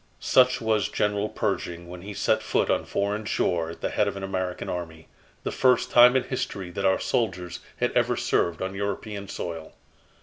Such was General Pershing when he set foot on foreign shore at the head of an American army the first time in history that our soldiers had ever served on European soil.